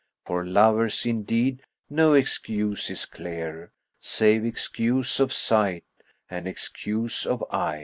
For lovers, indeed, no excuse is clear, * Save excuse of sight and excuse of eye."